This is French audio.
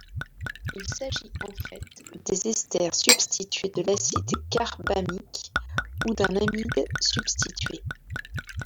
Il s'agit en fait des esters substitués de l'acide carbamique ou d'un amide substitué.